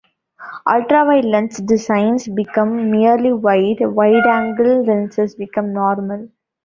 Ultra-wide lens designs become merely wide; wide-angle lenses become 'normal'.